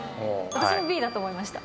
私もＢだと思いました